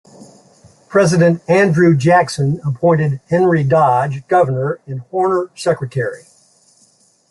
President Andrew Jackson appointed Henry Dodge Governor and Horner Secretary.